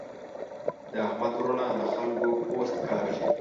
د احمد وروڼه له خلګو پوست کاږي.